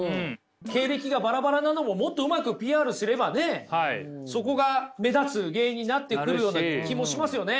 経歴がバラバラなのももっとうまくＰＲすればねそこが目立つ芸になってくるような気もしますよね！